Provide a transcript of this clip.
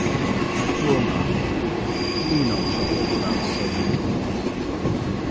My poor Martha, be not troubled about so many things.